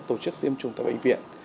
tổ chức tiêm chủng tại bệnh viện